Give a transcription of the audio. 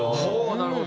なるほど。